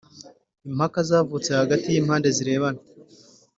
Impaka zavutse hagati y impande zirebana